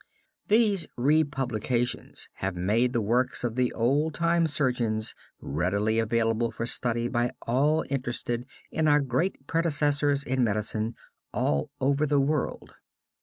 These republications have made the works of the old time surgeons readily available for study by all interested in our great predecessors in medicine, all over the world.